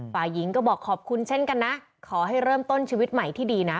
ฝ่ายหญิงก็บอกขอบคุณเช่นกันนะขอให้เริ่มต้นชีวิตใหม่ที่ดีนะ